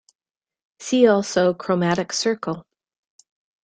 See also chromatic circle.